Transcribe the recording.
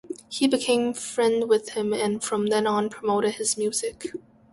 He became friend with him and from then on promoted his music.